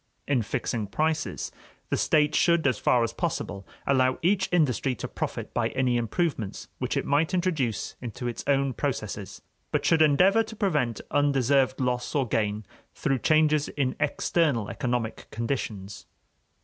In fixing prices, the state should, as far as possible, allow each industry to profit by any improvements which it might introduce into its own processes, but should endeavor to prevent undeserved loss or gain through changes in external economic conditions.